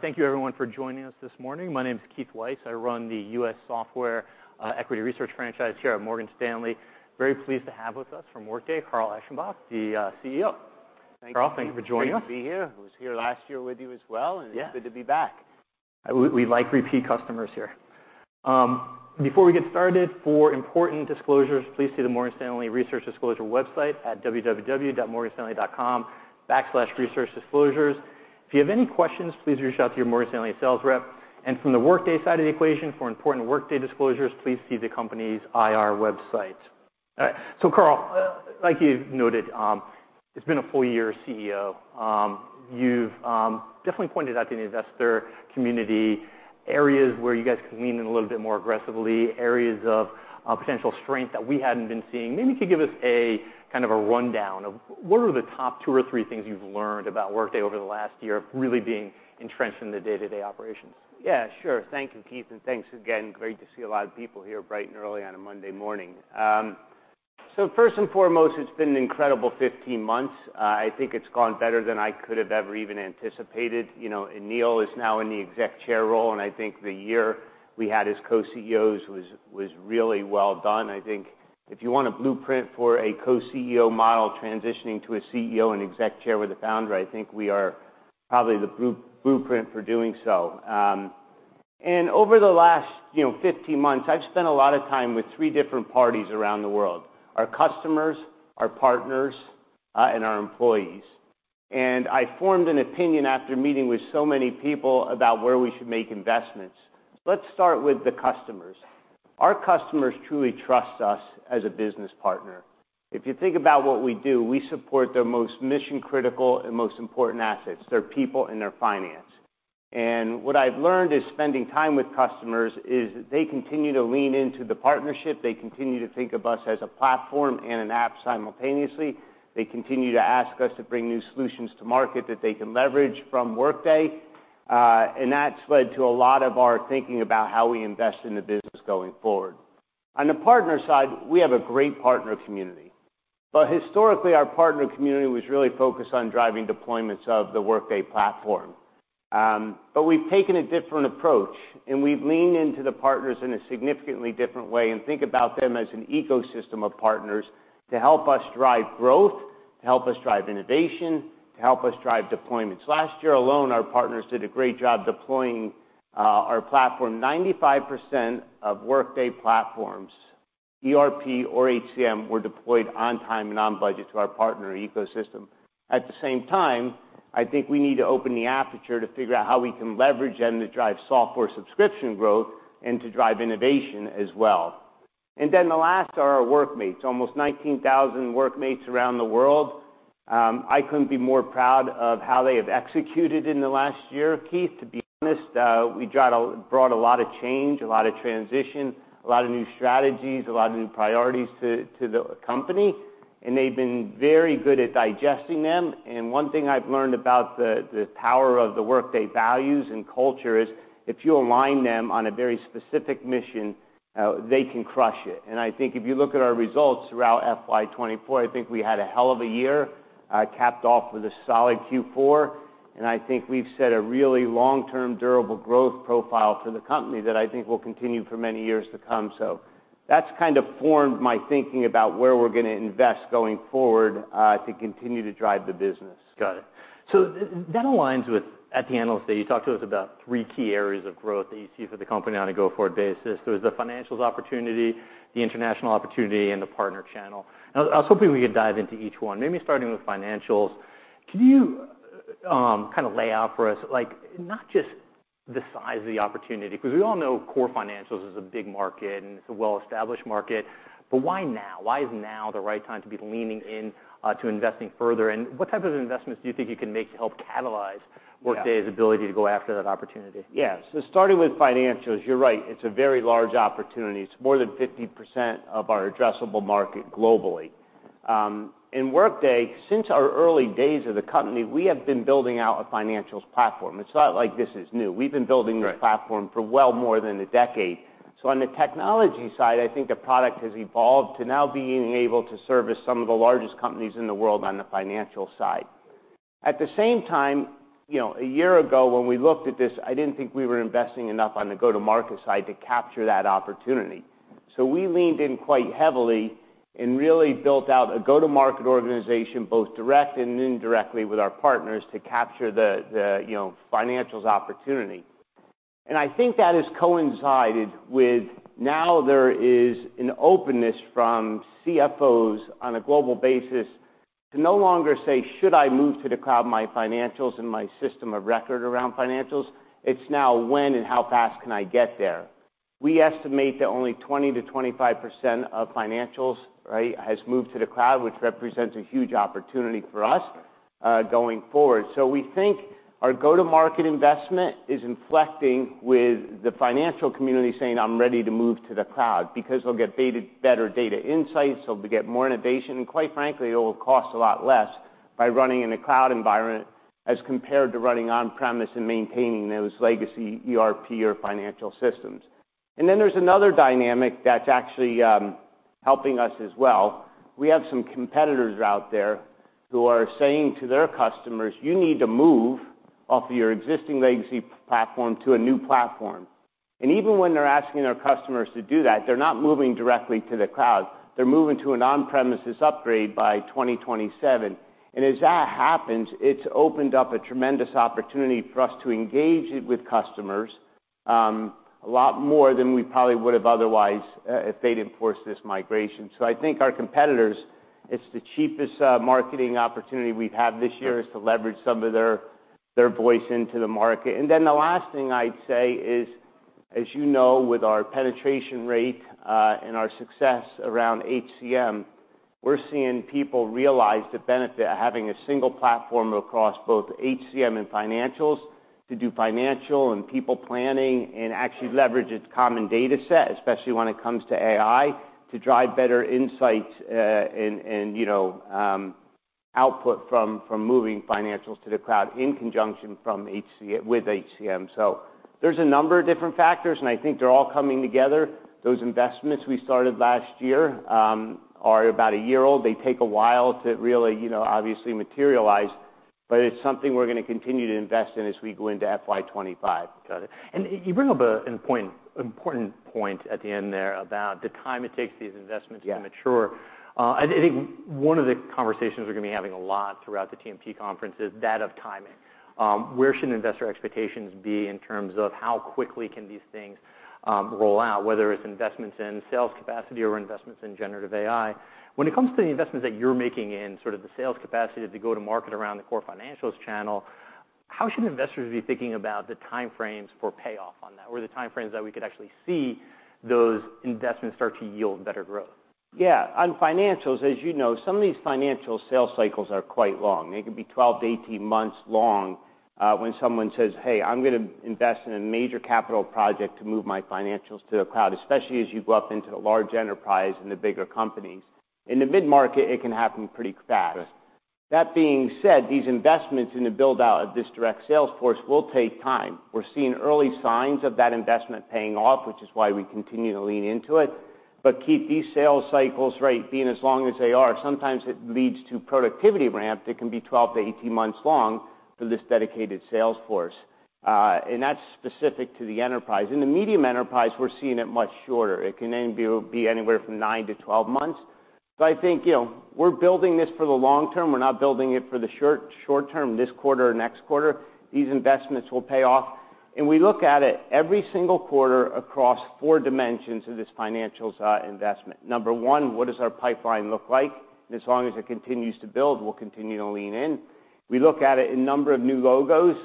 Thank you everyone for joining us this morning. My name is Keith Weiss. I run the U.S. Software Equity Research franchise here at Morgan Stanley. Very pleased to have with us from Workday, Carl Eschenbach, the CEO. Carl, thank you for joining us. Thank you. Great to be here. I was here last year with you as well. It's good to be back. We like repeat customers here. Before we get started, for important disclosures, please see the Morgan Stanley Research Disclosure website at www.morganstanley.com/researchdisclosures. If you have any questions, please reach out to your Morgan Stanley sales rep. And from the Workday side of the equation, for important Workday disclosures, please see the company's IR website. All right, so Carl, like you noted, it's been a full year as CEO. You've definitely pointed out to the investor community areas where you guys can lean in a little bit more aggressively, areas of potential strength that we hadn't been seeing. Maybe you could give us a kind of a rundown of what are the top two or three things you've learned about Workday over the last year, really being entrenched in the day-to-day operations? Sure. Thank you, Keith, and thanks again. Great to see a lot of people here bright and early on a Monday morning. First and foremost, it's been an incredible 15 months. I think it's gone better than I could have ever even anticipated. You know, and Aneel is now in the exec chair role, and I think the year we had as co-CEOs was, was really well done. I think if you want a blueprint for a co-CEO model, transitioning to a CEO and exec chair with a founder, I think we are probably the blueprint for doing so. Over the last, you know, 15 months, I've spent a lot of time with three different parties around the world: our customers, our partners, and our employees. I formed an opinion after meeting with so many people about where we should make investments. Let's start with the customers. Our customers truly trust us as a business partner. If you think about what we do, we support their most mission-critical and most important assets, their people and their finance. What I've learned is, spending time with customers, is they continue to lean into the partnership. They continue to think of us as a platform and an app simultaneously. They continue to ask us to bring new solutions to market that they can leverage from Workday, and that's led to a lot of our thinking about how we invest in the business going forward. On the partner side, we have a great partner community, but historically, our partner community was really focused on driving deployments of the Workday platform. We've taken a different approach, and we've leaned into the partners in a significantly different way and think about them as an ecosystem of partners to help us drive growth, to help us drive innovation, to help us drive deployments. Last year alone, our partners did a great job deploying our platform. 95% of Workday platforms, ERP or HCM, were deployed on time and on budget to our partner ecosystem. At the same time, I think we need to open the aperture to figure out how we can leverage them to drive software subscription growth and to drive innovation as well. Then the last are our workmates, almost 19,000 workmates around the world. I couldn't be more proud of how they have executed in the last year, Keith. To be honest, we brought a lot of change, a lot of transition, a lot of new strategies, a lot of new priorities to the company, and they've been very good at digesting them. One thing I've learned about the power of the Workday values and culture is, if you align them on a very specific mission, they can crush it. I think if you look at our results throughout FY 2024, we had a hell of a year, capped off with a solid Q4, and I think we've set a really long-term, durable growth profile for the company that I think will continue for many years to come. So that's kind of formed my thinking about where we're gonna invest going forward, to continue to drive the business. Got it. So that aligns with... At the analyst day, you talked to us about three key areas of growth that you see for the company on a go-forward basis. There was the financials opportunity, the international opportunity, and the partner channel. Now, I was hoping we could dive into each one, maybe starting with financials. Can you, kind of lay out for us, like, not just the size of the opportunity, because we all know core financials is a big market, and it's a well-established market, but why now? Why is now the right time to be leaning in, to investing further? And what type of investments do you think you can make to help catalyze. Workday's ability to go after that opportunity? Starting with financials, you're right, it's a very large opportunity. It's more than 50% of our addressable market globally. Workday, since our early days as a company, we have been building out a financials platform. It's not like this is new. Right. We've been building the platform for well more than a decade. On the technology side, I think the product has evolved to now being able to service some of the largest companies in the world on the financial side. At the same time, you know, a year ago, when we looked at this, I didn't think we were investing enough on the go-to-market side to capture that opportunity. We leaned in quite heavily and really built out a go-to-market organization, both direct and indirectly with our partners, to capture the, you know, financials opportunity. And I think that has coincided with now there is an openness from CFOs on a global basis to no longer say, "Should I move to the cloud, my financials and my system of record around financials?" It's now: When and how fast can I get there? We estimate that only 20% to 25% of financials, right, has moved to the cloud, which represents a huge opportunity for us, going forward. We think our go-to-market investment is inflecting with the financial community, saying, "I'm ready to move to the cloud," because they'll get better data insights, they'll get more innovation, and quite frankly, it will cost a lot less by running in a cloud environment as compared to running on-premise and maintaining those legacy ERP or financial systems. There's another dynamic that's actually helping us as well. We have some competitors out there who are saying to their customers, "You need to move off your existing legacy platform to a new platform." And even when they're asking their customers to do that, they're not moving directly to the cloud, they're moving to an on-premises upgrade by 2027. As that happens, it's opened up a tremendous opportunity for us to engage it with customers, a lot more than we probably would've otherwise, if they'd enforced this migration. So I think our competitors, it's the cheapest, marketing opportunity we've had this year, is to leverage some of their voice into the market. And then the last thing I'd say is, as you know, with our penetration rate, and our success around HCM, we're seeing people realize the benefit of having a single platform across both HCM and financials, to do financial and people planning, and actually leverage its common data set, especially when it comes to AI, to drive better insight, and, you know, output from moving financials to the cloud in conjunction with HCM. So there's a number of different factors, and I think they're all coming together. Those investments we started last year are about a year old. They take a while to really, you know, obviously materialize, but it's something we're gonna continue to invest in as we go into FY25. Got it. And you bring up an important, important point at the end there about the time it takes these investments to mature.I think one of the conversations we're gonna be having a lot throughout the TMT conference is that of timing. Where should investor expectations be in terms of how quickly can these things roll out, whether it's investments in sales capacity or investments in generative AI? When it comes to the investments that you're making in sort of the sales capacity to go to market around the core financials channel, how should investors be thinking about the timeframes for payoff on that, or the timeframes that we could actually see those investments start to yield better growth? Yeah. On financials, as you know, some of these financial sales cycles are quite long. They could be 12-18 months long, when someone says, "Hey, I'm gonna invest in a major capital project to move my financials to the cloud," especially as you go up into the large enterprise and the bigger companies. In the mid-market, it can happen pretty fast. Right. That being said, these investments in the build-out of this direct sales force will take time. We're seeing early signs of that investment paying off, which is why we continue to lean into it. But, Keith, these sales cycles, right, being as long as they are, sometimes it leads to productivity ramp that can be 12 to 18 months long for this dedicated sales force. That's specific to the enterprise. In the medium enterprise, we're seeing it much shorter. It can then be anywhere from nine to 12 months. So I think, you know, we're building this for the long term, we're not building it for the short, short term, this quarter or next quarter. These investments will pay off, and we look at it every single quarter across four dimensions of this financials investment. Number one, what does our pipeline look like? As long as it continues to build, we'll continue to lean in. We look at it in number of new logos.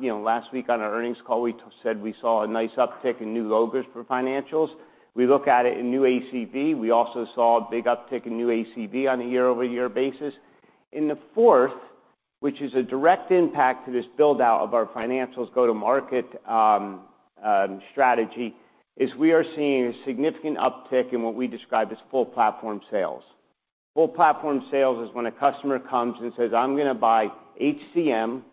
You know, last week on our earnings call, we said we saw a nice uptick in new logos for financials. We look at it in new ACV. We also saw a big uptick in new ACV on a year-over-year basis. And the fourth, which is a direct impact to this build-out of our financials go-to-market strategy, is we are seeing a significant uptick in what we describe as full platform sales. Full platform sales is when a customer comes and says, "I'm gonna buy HCM,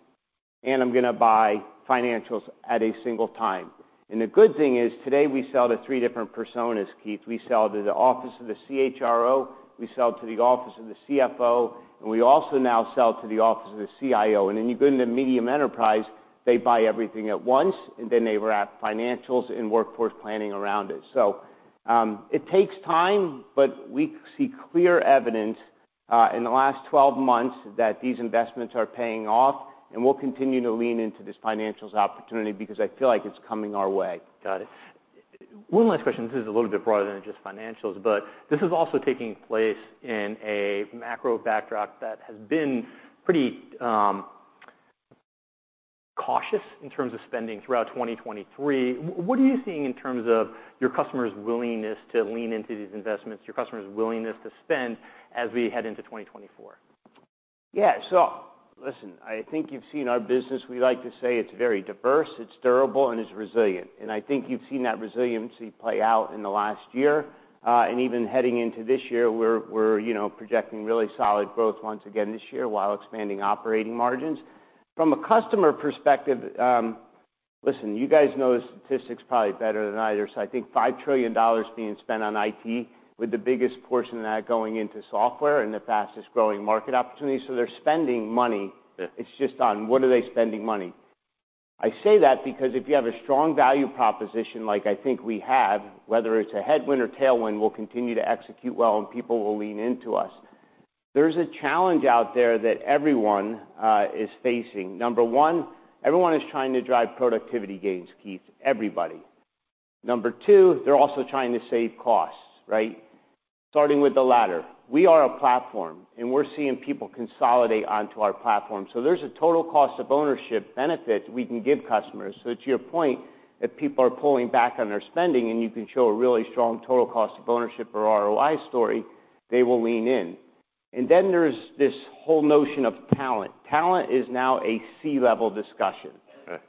and I'm gonna buy financials at a single time." And the good thing is, today we sell to three different personas, Keith. We sell to the office of the CHRO, we sell to the office of the CFO, and we also now sell to the office of the CIO. And then you go into medium enterprise, they buy everything at once, and then they wrap financials and workforce planning around it. So, it takes time, but we see clear evidence, in the last 12 months, that these investments are paying off, and we'll continue to lean into this financials opportunity because I feel like it's coming our way. Got it. One last question. This is a little bit broader than just financials, but this is also taking place in a macro backdrop that has been pretty cautious in terms of spending throughout 2023. What are you seeing in terms of your customers' willingness to lean into these investments, your customers' willingness to spend as we head into 2024? Yeah. So listen, I think you've seen our business. We like to say it's very diverse, it's durable, and it's resilient, and I think you've seen that resiliency play out in the last year. And even heading into this year, we're, you know, projecting really solid growth once again this year, while expanding operating margins. From a customer perspective, listen, you guys know the statistics probably better than I do, so I think $5 trillion being spent on IT, with the biggest portion of that going into software and the fastest-growing market opportunity. So they're spending money it's just on what are they spending money? I say that because if you have a strong value proposition, like I think we have, whether it's a headwind or tailwind, we'll continue to execute well, and people will lean into us. There's a challenge out there that everyone is facing. Number one, everyone is trying to drive productivity gains, Keith, everybody. Number two, they're also trying to save costs, right? Starting with the latter. We are a platform, and we're seeing people consolidate onto our platform, so there's a total cost of ownership benefit we can give customers. So to your point, if people are pulling back on their spending, and you can show a really strong total cost of ownership or ROI story, they will lean in. And then there's this whole notion of talent. Talent is now a C-level discussion. Right.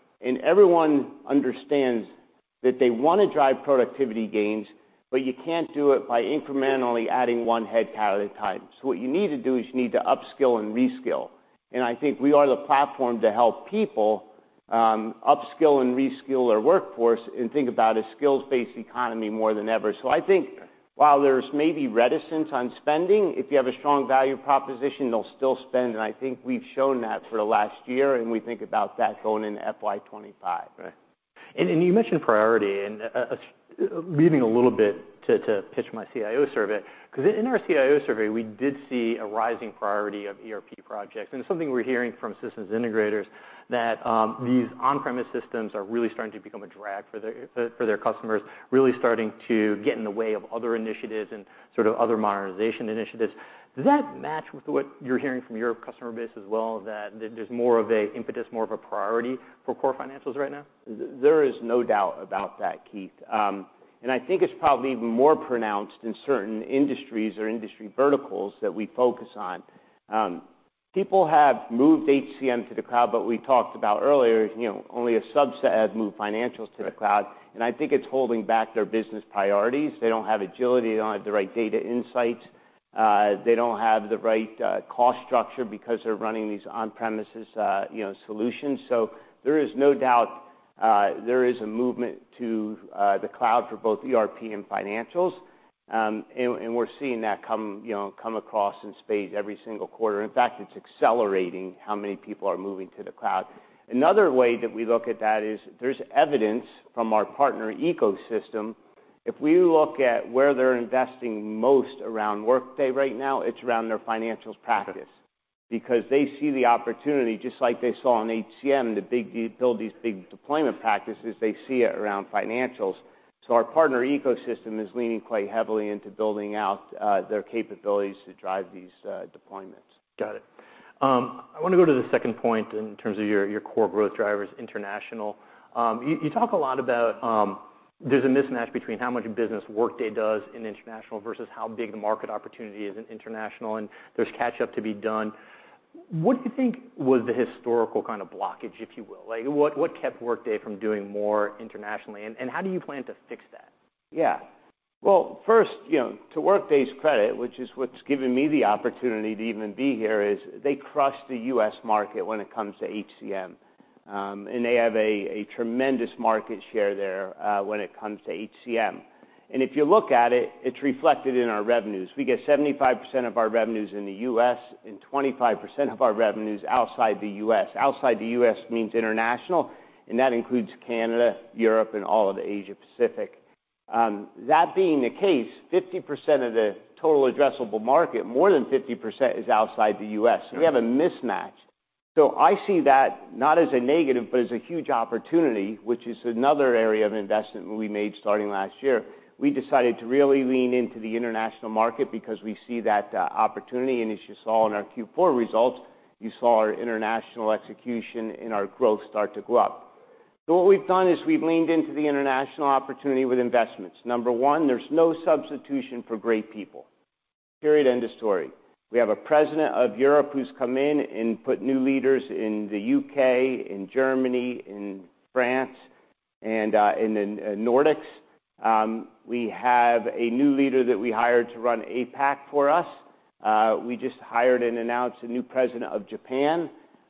Everyone understands that they want to drive productivity gains, but you can't do it by incrementally adding one head count at a time. So what you need to do is you need to upskill and reskill, and I think we are the platform to help people upskill and reskill our workforce and think about a skills-based economy more than ever. So I think while there's maybe reticence on spending, if you have a strong value proposition, they'll still spend, and I think we've shown that for the last year, and we think about that going into FY 25. Right. And you mentioned priority, and leading a little bit to pitch my CIO survey, 'cause in our CIO survey, we did see a rising priority of ERP projects. Something we're hearing from systems integrators that these on-premise systems are really starting to become a drag for their customers, really starting to get in the way of other initiatives and sort of other modernization initiatives. Does that match with what you're hearing from your customer base as well, that there's more of an impetus, more of a priority for core financials right now? There is no doubt about that, Keith. I think it's probably even more pronounced in certain industries or industry verticals that we focus on. People have moved HCM to the cloud, but we talked about earlier, you know, only a subset has moved financials to the cloud, and I think it's holding back their business priorities. They don't have agility, they don't have the right data insights, they don't have the right cost structure because they're running these on-premises, you know, solutions. There is no doubt, there is a movement to the cloud for both ERP and financials. We're seeing that come, you know, come across in spades every single quarter. In fact, it's accelerating how many people are moving to the cloud. Another way that we look at that is there's evidence from our partner ecosystem. If we look at where they're investing most around Workday right now, it's around their financials practice. Because they see the opportunity, just like they saw on HCM, to build these big deployment practices, they see it around financials. So our partner ecosystem is leaning quite heavily into building out their capabilities to drive these deployments. Got it. I want to go to the second point in terms of your, your core growth drivers, international. You, you talk a lot about, there's a mismatch between how much business Workday does in international versus how big the market opportunity is in international, and there's catch-up to be done. What do you think was the historical kind of blockage, if you will? Like, what, what kept Workday from doing more internationally, and, and how do you plan to fix that? Yeah. Well, first, you know, to Workday's credit, which is what's given me the opportunity to even be here, is they crushed the U.S. market when it comes to HCM. And they have a tremendous market share there, when it comes to HCM. And if you look at it, it's reflected in our revenues. We get 75% of our revenues in the U.S., and 25% of our revenues outside the U.S. Outside the U.S. means international, and that includes Canada, Europe, and all of Asia Pacific. That being the case, 50% of the total addressable market, more than 50%, is outside the U.S., so we have a mismatch. So I see that not as a negative, but as a huge opportunity, which is another area of investment we made starting last year. We decided to really lean into the international market because we see that opportunity, and as you saw in our Q4 results, you saw our international execution and our growth start to go up. So what we've done is we've leaned into the international opportunity with investments. Number one, there's no substitution for great people, period, end of story. We have a President of Europe who's come in and put new leaders in the UK, in Germany, in France, and in the Nordics. We have a new leader that we hired to run APAC for us. We just hired and announced a new president of Japan.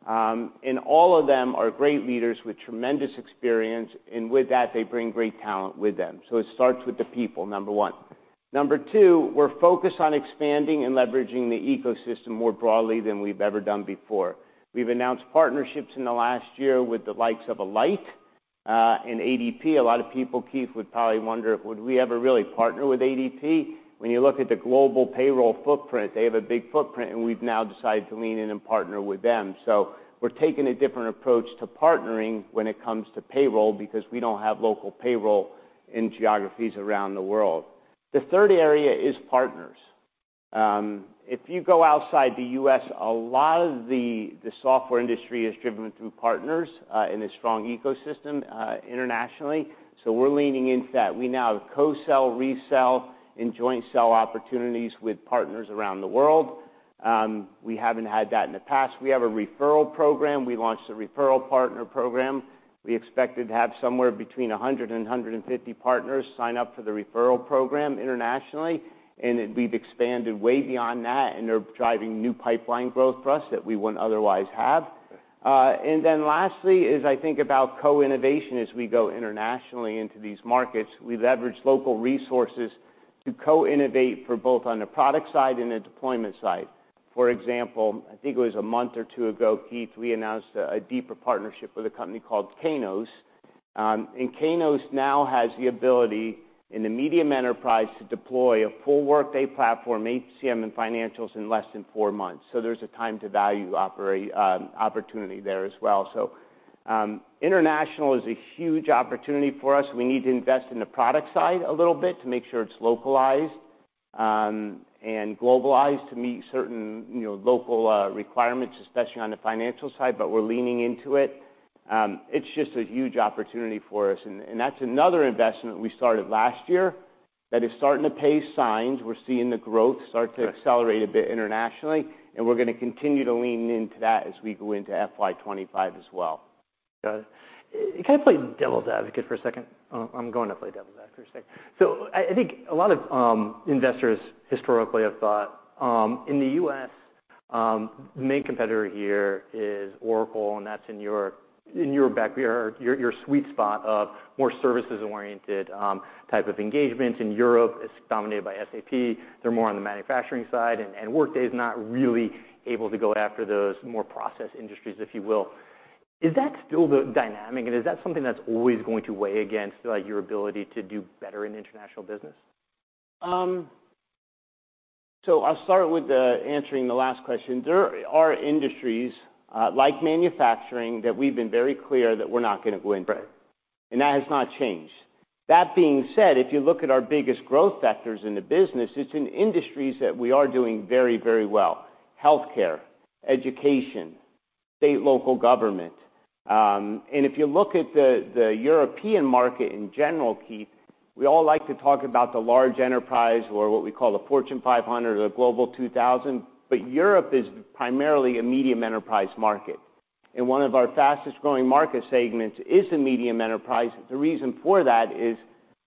And all of them are great leaders with tremendous experience, and with that, they bring great talent with them. So it starts with the people, number one. Number two, we're focused on expanding and leveraging the ecosystem more broadly than we've ever done before. We've announced partnerships in the last year with the likes of Alight, and ADP. A lot of people, Keith, would probably wonder, would we ever really partner with ADP? When you look at the global payroll footprint, they have a big footprint, and we've now decided to lean in and partner with them. We're taking a different approach to partnering when it comes to payroll, because we don't have local payroll in geographies around the world. The third area is partners. If you go outside the U.S., a lot of the software industry is driven through partners in a strong ecosystem, internationally. So we're leaning into that. We now co-sell, resell, and joint sell opportunities with partners around the world. We haven't had that in the past. We have a referral program. We launched a referral partner program. We expected to have somewhere between 100 and 150 partners sign up for the referral program internationally, and we've expanded way beyond that, and they're driving new pipeline growth for us that we wouldn't otherwise have. And then lastly, is I think about co-innovation as we go internationally into these markets. We've leveraged local resources to co-innovate for both on the product side and the deployment side. For example, I think it was a month or two ago, Keith, we announced a deeper partnership with a company called Kainos. And Kainos now has the ability in the medium enterprise to deploy a full Workday platform, HCM and financials, in less than four months. So there's a time to value opportunity there as well. So, international is a huge opportunity for us. We need to invest in the product side a little bit to make sure it's localized and globalized to meet certain, you know, local requirements, especially on the financial side, but we're leaning into it. It's just a huge opportunity for us, and that's another investment we started last year that is starting to pay signs. We're seeing the growth start to accelerate a bit internationally, and we're gonna continue to lean into that as we go into FY 25 as well. Got it. Can I play devil's advocate for a second? I'm going to play devil's advocate for a second. So I think a lot of investors historically have thought, in the U.S., the main competitor here is Oracle, and that's in your backyard, your sweet spot of more services-oriented type of engagements. In Europe, it's dominated by SAP. They're more on the manufacturing side, and Workday is not really able to go after those more process industries, if you will. Is that still the dynamic, and is that something that's always going to weigh against, like, your ability to do better in international business? So I'll start with answering the last question. There are industries, like manufacturing, that we've been very clear that we're not going to go into. Right. That has not changed. That being said, if you look at our biggest growth vectors in the business, it's in industries that we are doing very, very well: healthcare, education, state, local government. And if you look at the European market in general, Keith, we all like to talk about the large enterprise or what we call the Fortune 500 or the Global 2000, but Europe is primarily a Medium Enterprise market, and one of our fastest-growing market segments is the Medium Enterprise. The reason for that is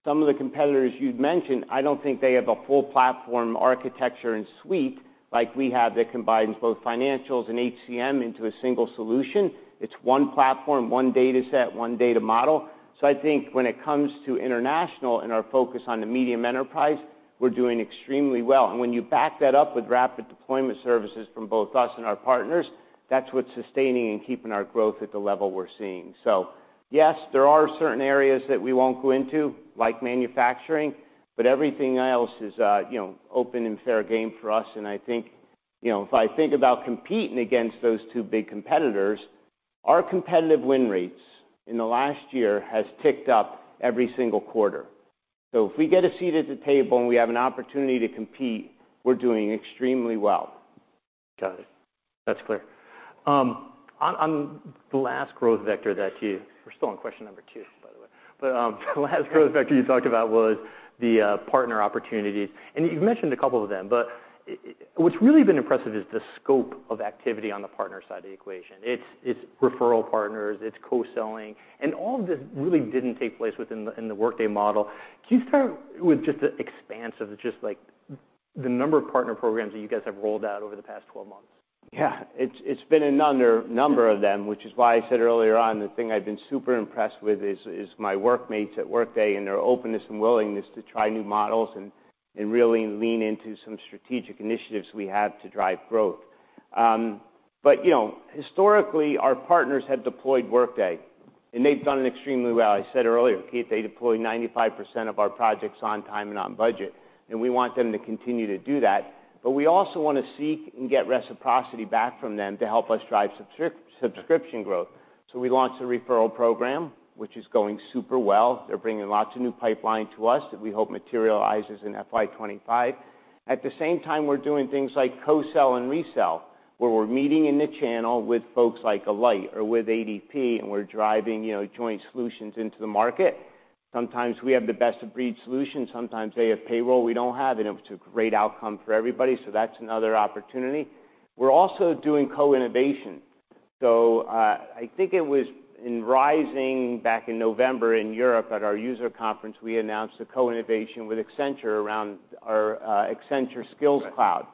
some of the competitors you'd mentioned, I don't think they have a full platform architecture and suite like we have that combines both financials and HCM into a single solution. It's one platform, one dataset, one data model. So I think when it comes to international and our focus on the Medium Enterprise, we're doing extremely well. When you back that up with rapid deployment services from both us and our partners, that's what's sustaining and keeping our growth at the level we're seeing. So yes, there are certain areas that we won't go into, like manufacturing, but everything else is, you know, open and fair game for us. I think, you know, if I think about competing against those two big competitors, our competitive win rates in the last year has ticked up every single quarter. So if we get a seat at the table, and we have an opportunity to compete, we're doing extremely well. Got it. That's clear. On the last growth vector that you. We're still on question number two, by the way. But the last growth vector you talked about was the partner opportunities, and you've mentioned a couple of them, but what's really been impressive is the scope of activity on the partner side of the equation. It's referral partners, it's co-selling, and all of this really didn't take place within the Workday model. Can you start with just the expanse of just, like, the number of partner programs that you guys have rolled out over the past 12 months? It's been another number of them, which is why I said earlier on, the thing I've been super impressed with is my workmates at Workday and their openness and willingness to try new models and really lean into some strategic initiatives we have to drive growth. But you know, historically, our partners have deployed Workday, and they've done it extremely well. I said earlier, Keith, they deploy 95% of our projects on time and on budget, and we want them to continue to do that. But we also want to seek and get reciprocity back from them to help us drive subscription growth. So we launched a referral program, which is going super well. They're bringing lots of new pipeline to us that we hope materializes in FY 2025. At the same time, we're doing things like co-sell and resell, where we're meeting in the channel with folks like Alight or with ADP, and we're driving, you know, joint solutions into the market. Sometimes we have the best-of-breed solution, sometimes they have payroll we don't have, and it's a great outcome for everybody, so that's another opportunity. We're also doing co-innovation. So, I think it was in Rising back in November in Europe at our user conference, we announced a co-innovation with Accenture around our Accenture Skills Cloud- Right...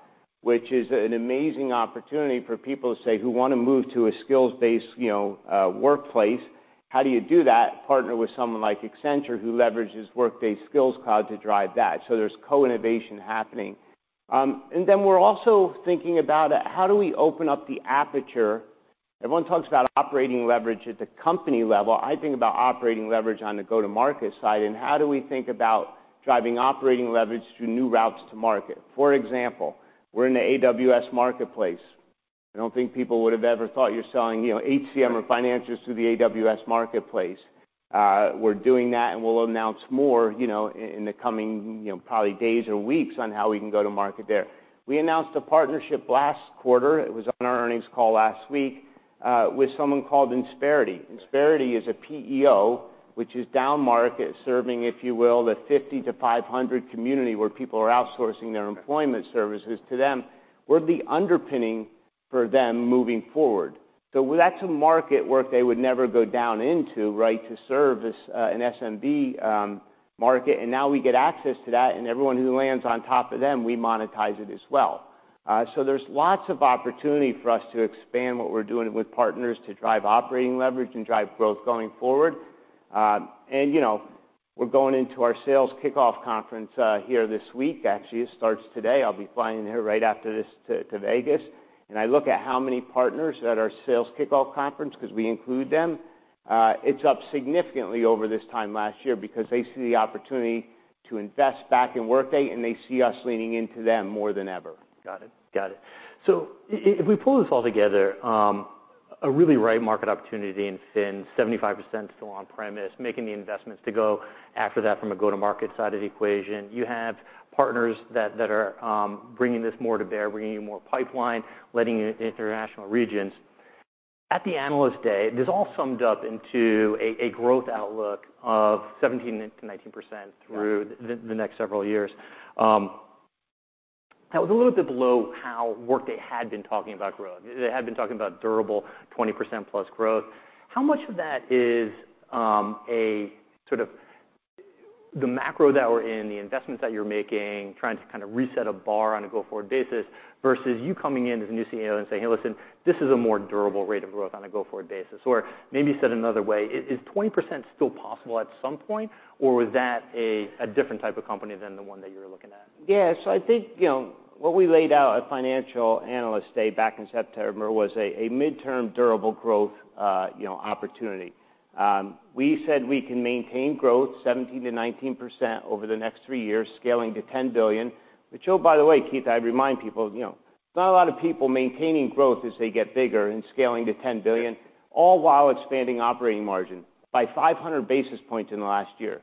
which is an amazing opportunity for people, say, who want to move to a skills-based, you know, workplace. How do you do that? Partner with someone like Accenture, who leverages Workday Skills Cloud to drive that. So there's co-innovation happening. And then we're also thinking about, how do we open up the aperture? Everyone talks about operating leverage at the company level. I think about operating leverage on the go-to-market side, and how do we think about driving operating leverage through new routes to market? For example, we're in the AWS Marketplace. I don't think people would have ever thought you're selling, you know, HCM or financials through the AWS Marketplace. We're doing that, and we'll announce more, you know, in the coming, you know, probably days or weeks on how we can go to market there. We announced a partnership last quarter, it was on our earnings call last week, with someone called Insperity. Insperity is a PEO, which is downmarket, serving, if you will, the 50-500 community, where people are outsourcing their employment services to them. We're the underpinning for them moving forward. Well, that's a market Workday would never go down into, right, to serve this, an SMB market, and now we get access to that, and everyone who lands on top of them, we monetize it as well. So there's lots of opportunity for us to expand what we're doing with partners to drive operating leverage and drive growth going forward. And, you know, we're going into our sales kickoff conference, here this week. Actually, it starts today. I'll be flying there right after this to Vegas. I look at how many partners at our sales kickoff conference, because we include them, it's up significantly over this time last year because they see the opportunity to invest back in Workday, and they see us leaning into them more than ever. Got it. Got it. So if we pull this all together, a really right market opportunity in Fin, 75% still on premise, making the investments to go after that from a go-to-market side of the equation. You have partners that are bringing this more to bear, bringing you more pipeline, letting you into international regions. At the Analyst Day, this all summed up into a growth outlook of 17% to 19%. Through the next several years. That was a little bit below how Workday had been talking about growth. They had been talking about durable 20+% growth. How much of that is sort of the macro that we're in, the investments that you're making, trying to kind of reset a bar on a go-forward basis, versus you coming in as a new CEO and saying: "Hey, listen, this is a more durable rate of growth on a go-forward basis?" Or maybe said another way, is 20% still possible at some point, or was that a different type of company than the one that you were looking at? Yeah. So I think, you know, what we laid out at Financial Analyst Day back in September was a midterm durable growth, you know, opportunity. We said we can maintain growth 17%-19% over the next three years, scaling to $10 billion. Which, oh, by the way, Keith, I'd remind people, you know, not a lot of people maintaining growth as they get bigger and scaling to $10 billion, all while expanding operating margin by 500 basis points in the last year.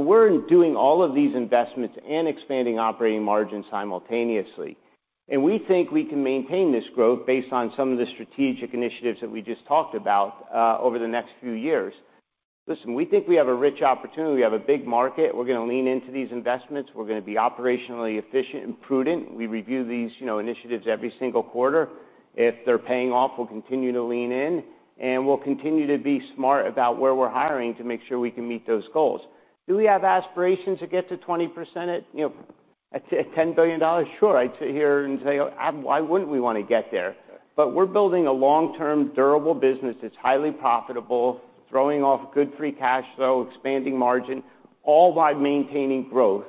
We're doing all of these investments and expanding operating margin simultaneously, and we think we can maintain this growth based on some of the strategic initiatives that we just talked about, over the next few years. Listen, we think we have a rich opportunity. We have a big market. We're gonna lean into these investments. We're gonna be operationally efficient and prudent. We review these, you know, initiatives every single quarter. If they're paying off, we'll continue to lean in, and we'll continue to be smart about where we're hiring to make sure we can meet those goals. Do we have aspirations to get to 20% at, you know, $10 billion? Sure, I'd sit here and say, why wouldn't we want to get there? But we're building a long-term, durable business that's highly profitable, throwing off good free cash flow, expanding margin, all while maintaining growth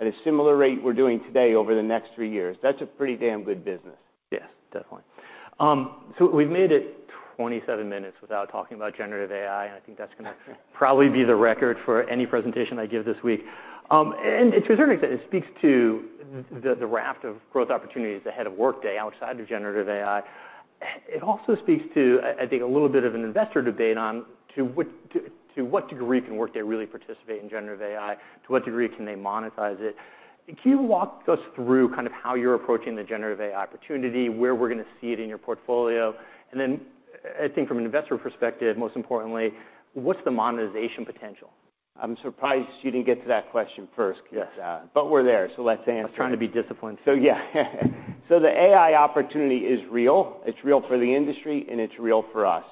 at a similar rate we're doing today over the next three years. That's a pretty damn good business. Yes, definitely. We've made it 27 minutes without talking about generative AI, and I think that's gonna probably be the record for any presentation I give this week. To a certain extent, it speaks to the raft of growth opportunities ahead of Workday, outside of generative AI. It also speaks to, I think, a little bit of an investor debate on to what degree can Workday really participate in generative AI? To what degree can they monetize it? Can you walk us through kind of how you're approaching the generative AI opportunity, where we're gonna see it in your portfolio, and then I think from an investor perspective, most importantly, what's the monetization potential? I'm surprised you didn't get to that question first, Keith. Yes. But we're there, so let's answer it. I'm trying to be disciplined. The AI opportunity is real. It's real for the industry, and it's real for us,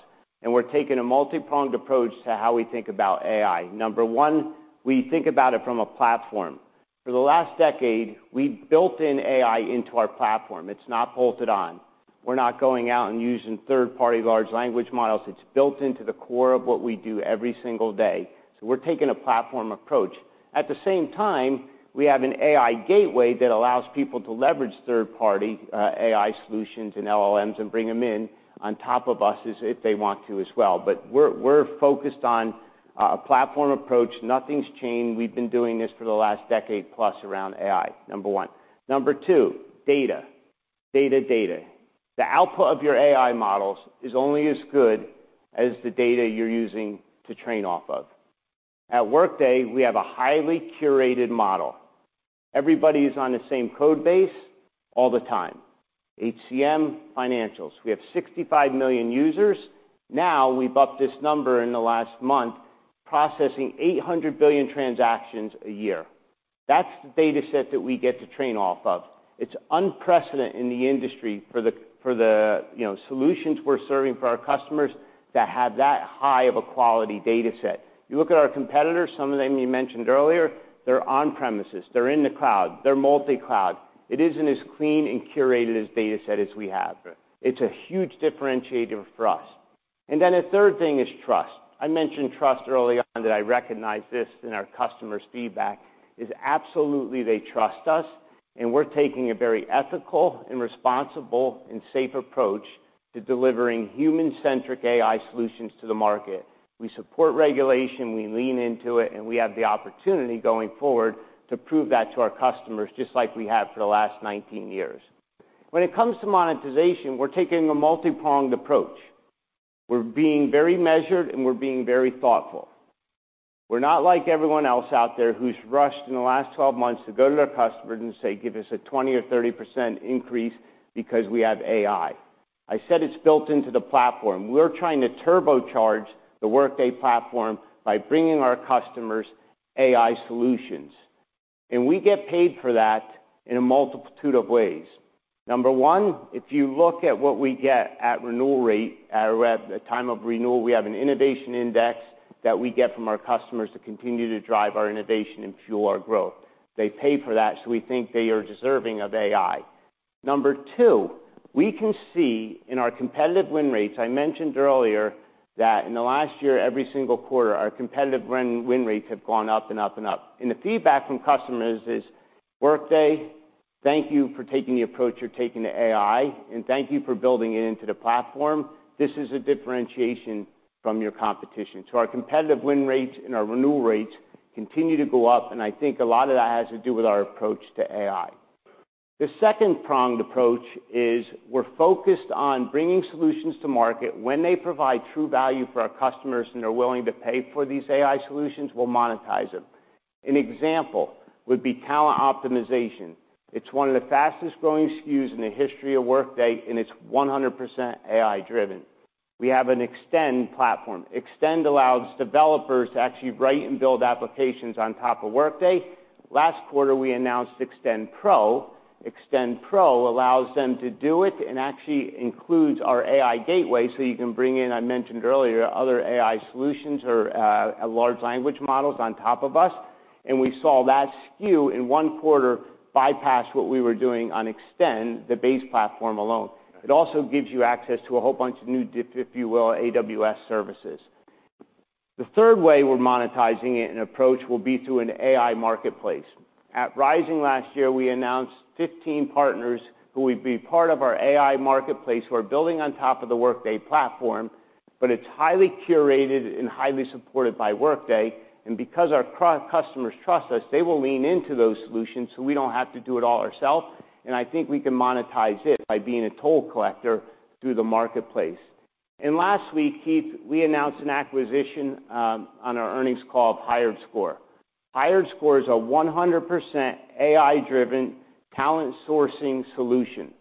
and we're taking a multipronged approach to how we think about AI. Number one, we think about it from a platform. For the last decade, we've built in AI into our platform. It's not bolted on. We're not going out and using third-party large language models. It's built into the core of what we do every single day, so we're taking a platform approach. At the same time, we have an AI gateway that allows people to leverage third-party AI solutions and LLMs, and bring them in on top of us if they want to as well. But we're, we're focused on a platform approach. Nothing's changed. We've been doing this for the last decade plus around AI, number one. Number two, data, data, data. The output of your AI models is only as good as the data you're using to train off of. At Workday, we have a highly curated model. Everybody is on the same code base all the time, HCM financials. We have 65 million users. Now, we've upped this number in the last month, processing 800 billion transactions a year. That's the data set that we get to train off of. It's unprecedented in the industry for the, you know, solutions we're serving for our customers to have that high of a quality data set. You look at our competitors, some of them you mentioned earlier, they're on premises, they're in the cloud, they're multi-cloud. It isn't as clean and curated as data set as we have. Right. It's a huge differentiator for us. A third thing is trust. I mentioned trust early on, that I recognize this in our customers' feedback, is absolutely they trust us, and we're taking a very ethical, and responsible, and safe approach to delivering human-centric AI solutions to the market. We support regulation, we lean into it, and we have the opportunity going forward to prove that to our customers, just like we have for the last 19 years. When it comes to monetization, we're taking a multipronged approach. We're being very measured, and we're being very thoughtful. We're not like everyone else out there who's rushed in the last 12 months to go to their customers and say: Give us a 20% or 30% increase because we have AI. I said it's built into the platform. We're trying to turbocharge the Workday platform by bringing our customers AI solutions, and we get paid for that in a multitude of ways. Number one, if you look at what we get at renewal rate, or at the time of renewal, we have an Innovation Index that we get from our customers to continue to drive our innovation and fuel our growth. They pay for that, so we think they are deserving of AI. Number two, we can see in our competitive win rates. I mentioned earlier that in the last year, every single quarter, our competitive win, win rates have gone up, and up, and up. And the feedback from customers is: Workday, thank you for taking the approach you're taking to AI, and thank you for building it into the platform. This is a differentiation from your competition. So our competitive win rates and our renewal rates continue to go up, and I think a lot of that has to do with our approach to AI. The second-pronged approach is we're focused on bringing solutions to market. When they provide true value for our customers, and they're willing to pay for these AI solutions, we'll monetize them. An example would be Talent Optimization. It's one of the fastest-growing SKUs in the history of Workday, and it's 100% AI-driven. We have an Extend platform. Extend allows developers to actually write and build applications on top of Workday. Last quarter, we announced Extend Pro. Extend Pro allows them to do it and actually includes our AI Gateway, so you can bring in, I mentioned earlier, other AI solutions or large language models on top of us, and we saw that SKU in one quarter bypass what we were doing on Extend, the base platform alone. It also gives you access to a whole bunch of new, if you will, AWS services. The third way we're monetizing it and approach will be through an AI Marketplace. At Rising last year, we announced 15 partners who would be part of our AI Marketplace, who are building on top of the Workday platform, but it's highly curated and highly supported by Workday, and because our pro customers trust us, they will lean into those solutions, so we don't have to do it all ourselves, and I think we can monetize it by being a toll collector through the marketplace. Last week, Keith, we announced an acquisition on our earnings call of HiredScore. HiredScore is a 100% AI-driven talent sourcing solution.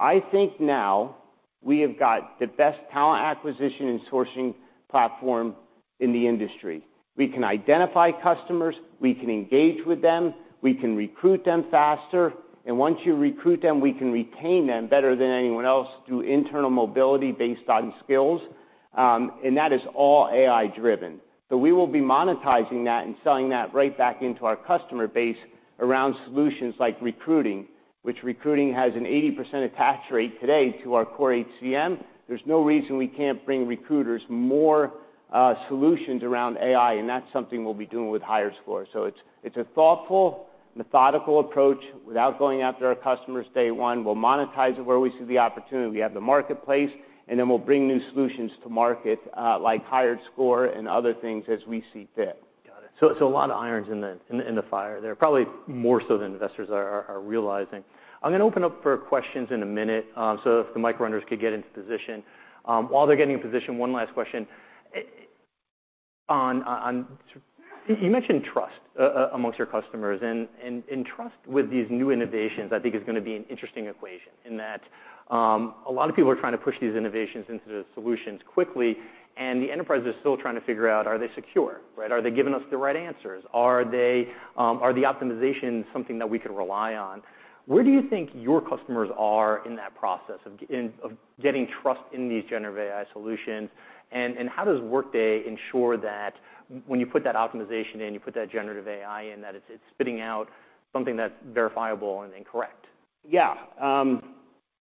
I think now we have got the best talent acquisition and sourcing platform in the industry. We can identify customers, we can engage with them, we can recruit them faster, and once you recruit them, we can retain them better than anyone else through internal mobility based on skills, and that is all AI-driven. So we will be monetizing that and selling that right back into our customer base around solutions like recruiting, which recruiting has an 80% attach rate today to our core HCM. There's no reason we can't bring recruiters more solutions around AI, and that's something we'll be doing with HiredScore. So it's, it's a thoughtful, methodical approach. Without going after our customers day one, we'll monetize it where we see the opportunity. We have the marketplace, and then we'll bring new solutions to market, like HiredScore and other things as we see fit. Got it. So a lot of irons in the fire there. Probably more so than investors are realizing. I'm gonna open up for questions in a minute, so if the mic runners could get into position. While they're getting in position, one last question. You mentioned trust amongst your customers, and trust with these new innovations, I think is gonna be an interesting equation, in that, a lot of people are trying to push these innovations into the solutions quickly, and the enterprise is still trying to figure out, are they secure, right? Are they giving us the right answers? Are they, are the optimization something that we can rely on? Where do you think your customers are in that process of getting trust in these generative AI solutions, and how does Workday ensure that when you put that optimization in, you put that generative AI in, that it's spitting out something that's verifiable and correct?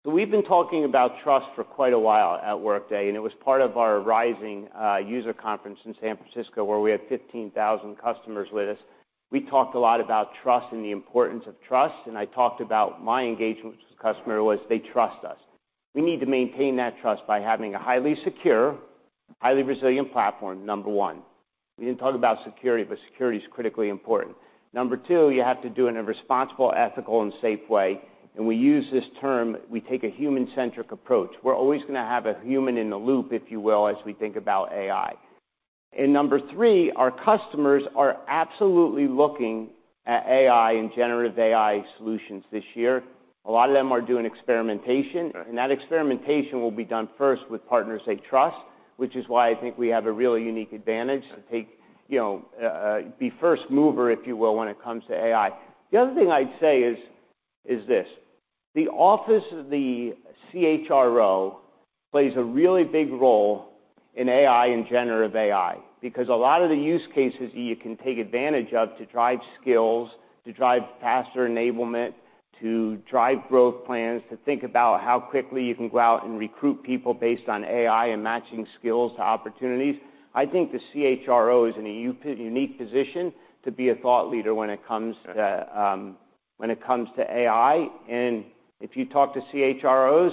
We've been talking about trust for quite a while at Workday, and it was part of our Rising user conference in San Francisco, where we had 15,000 customers with us. We talked a lot about trust and the importance of trust, and I talked about my engagement with the customer was, they trust us. We need to maintain that trust by having a highly secure, highly resilient platform, number one. We didn't talk about security, but security is critically important. Number two, you have to do it in a responsible, ethical, and safe way, and we use this term, we take a human-centric approach. We're always gonna have a human in the loop, if you will, as we think about AI. And number three, our customers are absolutely looking at AI and generative AI solutions this year. A lot of them are doing experimentation- Right. and that experimentation will be done first with partners they trust, which is why I think we have a really unique advantage. Got it. to take, you know, be first mover, if you will, when it comes to AI. The other thing I'd say is this: the office of the CHRO plays a really big role in AI and generative AI, because a lot of the use cases you can take advantage of to drive skills, to drive faster enablement, to drive growth plans, to think about how quickly you can go out and recruit people based on AI and matching skills to opportunities. I think the CHRO is in a unique position to be a thought leader when it comes to AI, and if you talk to CHROs,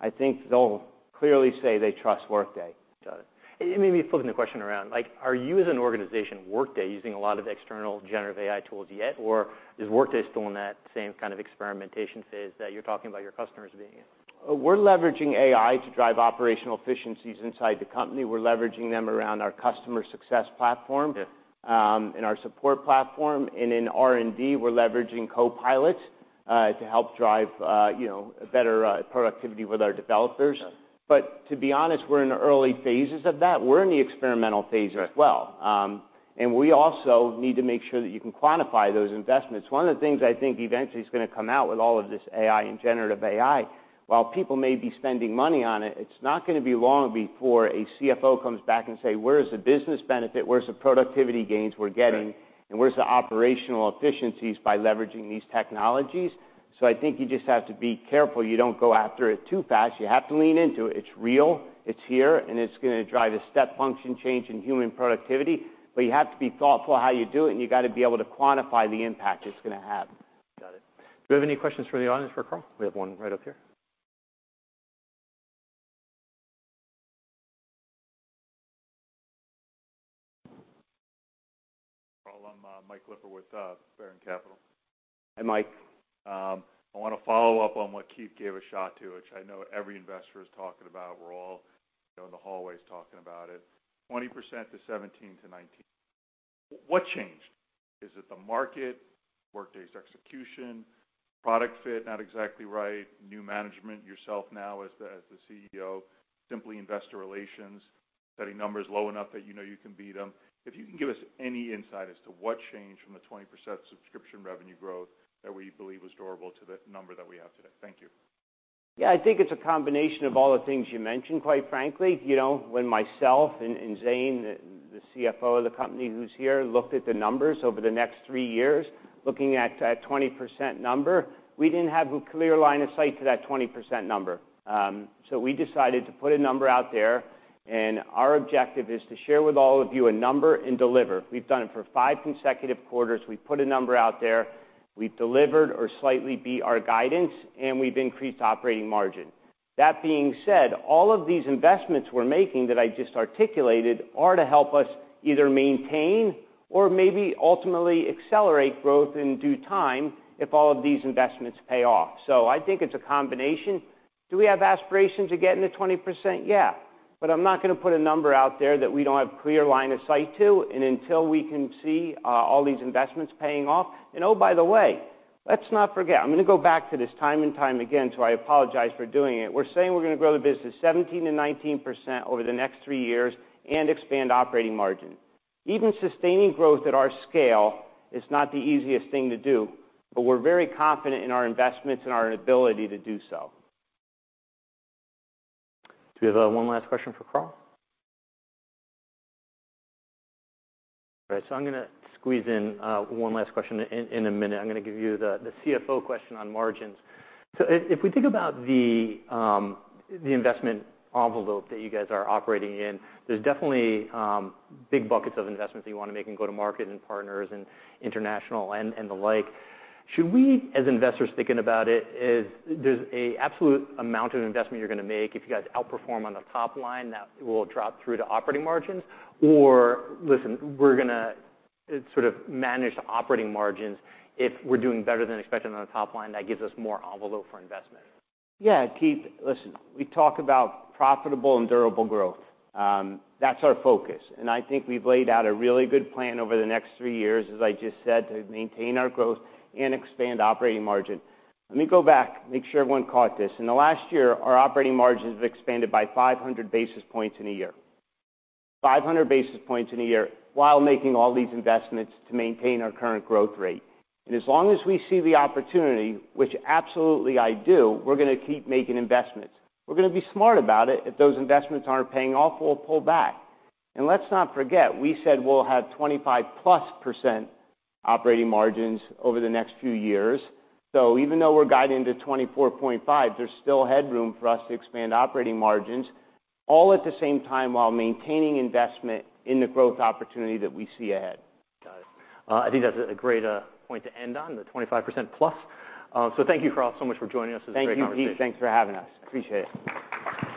I think they'll clearly say they trust Workday. Got it. And maybe flipping the question around, like, are you, as an organization, Workday, using a lot of external generative AI tools yet, or is Workday still in that same kind of experimentation phase that you're talking about your customers being in? We're leveraging AI to drive operational efficiencies inside the company. We're leveraging them around our customer success platform- Yeah. In our support platform, and in R&D, we're leveraging Copilot to help drive you know, better productivity with our developers. Got it. To be honest, we're in the early phases of that. We're in the experimental phase as well. Right. We also need to make sure that you can quantify those investments. One of the things I think eventually is gonna come out with all of this AI and Generative AI, while people may be spending money on it, it's not gonna be long before a CFO comes back and say: "Where's the business benefit? Where's the productivity gains we're getting? Right. Where's the operational efficiencies by leveraging these technologies? I think you just have to be careful you don't go after it too fast. You have to lean into it. It's real, it's here, and it's gonna drive a step function change in human productivity, but you have to be thoughtful how you do it, and you got to be able to quantify the impact it's gonna have. Got it. Do we have any questions from the audience for Carl? We have one right up here. Carl, I'm Mike Lippert with Baron Capital. Hi, Mike. I wanna follow up on what Keith gave a shot to, which I know every investor is talking about. We're all in the hallways talking about it. 20% to 17% to 19% What changed? Is it the market, Workday's execution, product fit not exactly right, new management, yourself now as the, as the CEO, simply investor relations, setting numbers low enough that you know you can beat them? If you can give us any insight as to what changed from the 20% subscription revenue growth that we believe was durable to the number that we have today. Thank you. Yeah, I think it's a combination of all the things you mentioned, quite frankly. You know, when myself and, and Zane, the CFO of the company, who's here, looked at the numbers over the next three years, looking at that 20% number, we didn't have a clear line of sight to that 20% number. We decided to put a number out there, and our objective is to share with all of you a number and deliver. We've done it for five consecutive quarters. We've put a number out there, we've delivered or slightly beat our guidance, and we've increased operating margin. That being said, all of these investments we're making, that I just articulated, are to help us either maintain or maybe ultimately accelerate growth in due time if all of these investments pay off. So I think it's a combination. Do we have aspirations of getting to 20%? Yeah, but I'm not gonna put a number out there that we don't have clear line of sight to, and until we can see, all these investments paying off. And oh, by the way, let's not forget, I'm gonna go back to this time and time again, so I apologize for doing it. We're saying we're gonna grow the business 17% to 19% over the next three years and expand operating margin. Even sustaining growth at our scale is not the easiest thing to do, but we're very confident in our investments and our ability to do so. Do we have one last question for Carl? All right, so I'm gonna squeeze in one last question in a minute. I'm gonna give you the CFO question on margins. If we think about the investment envelope that you guys are operating in, there's definitely big buckets of investments that you wanna make in go-to-market and partners and international and the like. Should we, as investors thinking about it, is there's a absolute amount of investment you're gonna make if you guys outperform on the top line, that will drop through to operating margins? Or, listen, we're gonna sort of manage the operating margins. If we're doing better than expected on the top line, that gives us more envelope for investment. Keith, listen, we talk about profitable and durable growth. That's our focus, and I think we've laid out a really good plan over the next three years, as I just said, to maintain our growth and expand operating margin. Let me go back, make sure everyone caught this. In the last year, our operating margins have expanded by 500 basis points in a year. 500 basis points in a year while making all these investments to maintain our current growth rate. And as long as we see the opportunity, which absolutely I do, we're gonna keep making investments. We're gonna be smart about it. If those investments aren't paying off, we'll pull back. And let's not forget, we said we'll have 25+% operating margins over the next few years. Even though we're guiding to 24.5, there's still headroom for us to expand operating margins, all at the same time while maintaining investment in the growth opportunity that we see ahead. Got it. I think that's a great point to end on, the 25% plus. Thank you, Carl, so much for joining us. Thank you, Keith. Thanks for having us. Appreciate it.